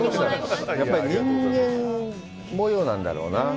やっぱり人間模様なんだろうなぁ。